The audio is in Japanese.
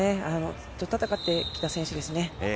ずっと戦ってきた選手ですね。